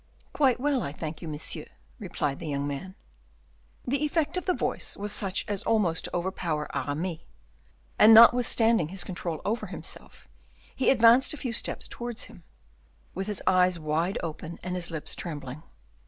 "Quite well, I thank you, monsieur," replied the young man. The effect of the voice was such as almost to overpower Aramis, and notwithstanding his control over himself, he advanced a few steps towards him, with his eyes wide open and his lips trembling.